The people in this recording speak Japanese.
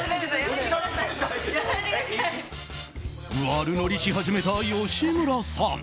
悪ノリし始めた吉村さん。